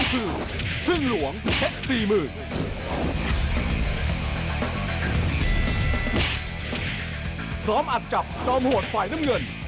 อัดกับจอมโหดฝ่ายน้ำเงิน